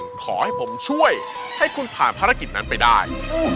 ขอให้ผมช่วยให้คุณผ่านภารกิจนั้นไปได้